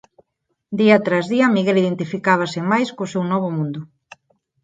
Día tras día Miguel identificábase máis co seu novo mundo.